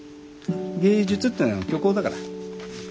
芸術ってのは虚構だから。